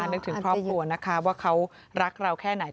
นึกถึงครอบครัวนะคะว่าเขารักเราแค่ไหน